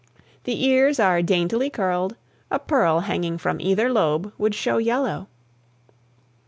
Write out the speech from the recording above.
The ears are daintily curled, a pearl hanging from either lobe would show yellow.